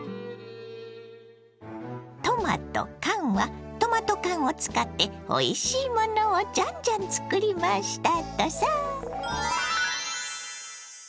トマとカンはトマト缶を使っておいしいものをジャンジャン作りましたとさ。